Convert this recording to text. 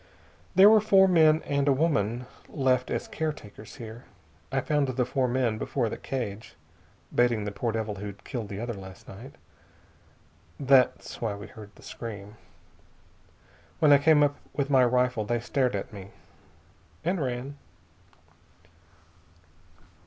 There were four men and a woman left as caretakers here. I found the four men before the cage, baiting the poor devil who'd killed the other last night. That's why we heard the scream. When I came up with my rifle they stared at me, and ran.